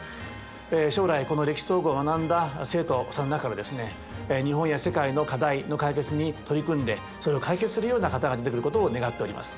将来この「歴史総合」を学んだ生徒さんの中からですね日本や世界の課題の解決に取り組んでそれを解決するような方が出てくることを願っております。